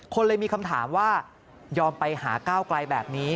คนเลยมีคำถามว่ายอมไปหาก้าวไกลแบบนี้